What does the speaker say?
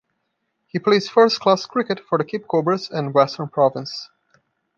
He plays first-class cricket for the Cape Cobras and Western Province.